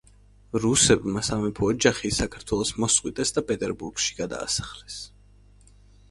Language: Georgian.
რუსებმა სამეფო ოჯახი საქართველოს მოსწყვიტეს და პეტერბურგში გადაასახლეს.